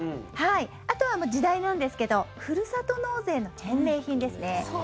あとは時代なんですけどふるさと納税の返礼品ですね。